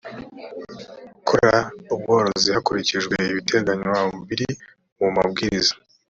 gukora ubworozi hakurikijwe ibiteganywa ibiri mu mabwiriza